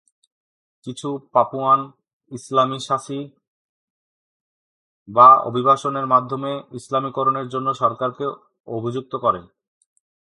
কিছু পাপুয়ান "ইসলামিসাসি" বা অভিবাসনের মাধ্যমে ইসলামীকরণের জন্য সরকারকে অভিযুক্ত করে।